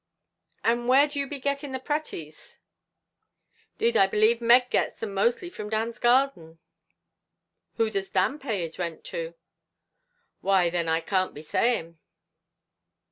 "And where do you be getting the pratees?" "'Deed I b'lieve Meg gets them mostly from Dan's garden." "Who does Dan pay his rent to?" "Why then I can't be saying."